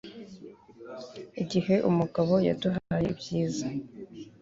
Igihe umugabo yaduhaye ibyiza